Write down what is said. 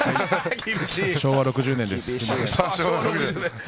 昭和６０年です。